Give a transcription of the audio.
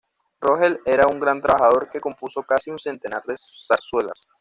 Rogel era un gran trabajador, que compuso casi un centenar de zarzuelas.